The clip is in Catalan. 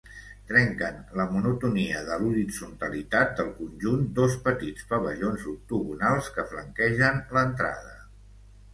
Trenquen la monotonia de l'horitzontalitat del conjunt dos petits pavellons octogonals que flanquegen l'entrada.